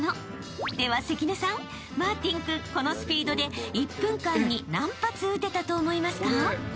［では関根さんマーティン君このスピードで１分間に何発打てたと思いますか？］